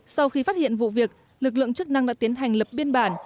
sau khi phát hiện vụ việc lực lượng chức năng đã tiến hành lập biên bản